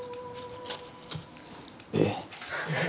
えっ。